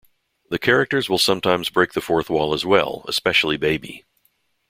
The characters will sometimes break the fourth wall as well, especially Baby.